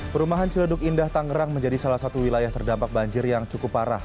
perumahan ciledug indah tangerang menjadi salah satu wilayah terdampak banjir yang cukup parah